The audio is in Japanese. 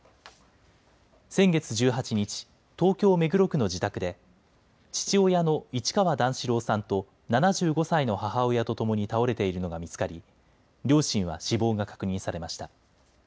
先月１８日、東京目黒区の自宅で父親の市川段四郎さんと７５歳の母親とともに倒れているのが見つかり両親は死亡が確認されました。